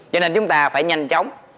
cho nên chúng ta phải nhanh chóng